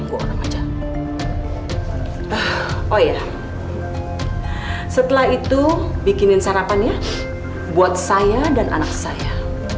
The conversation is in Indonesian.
oh iya setelah itu bikinin sarapan buat saya dan anak saya